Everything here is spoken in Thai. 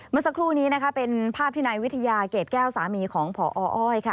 เมื่อสักครู่นี้นะคะเป็นภาพที่นายวิทยาเกรดแก้วสามีของพออ้อยค่ะ